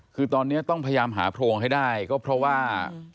คือตอนนี้ต้องพยายามหาโพรงให้ได้ก็เพราะว่า